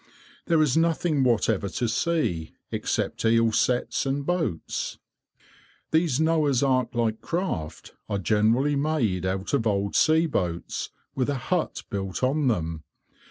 There is nothing whatever to see, except eel sets and boats. These Noah's ark like craft are generally made out of old sea boats, with a hut built on them.